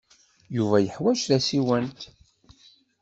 Yuba yeḥwaj tasiwant.